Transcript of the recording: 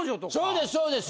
そうですそうです。